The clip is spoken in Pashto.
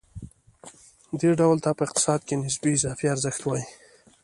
دې ډول ته په اقتصاد کې نسبي اضافي ارزښت وايي